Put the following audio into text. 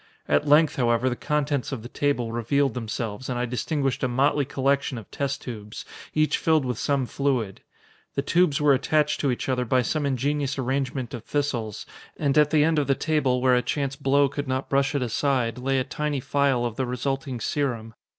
At length, however, the contents of the table revealed themselves, and I distinguished a motley collection of test tubes, each filled with some fluid. The tubes were attached to each other by some ingenious arrangement of thistles, and at the end of the table, where a chance blow could not brush it aside, lay a tiny phial of the resulting serum.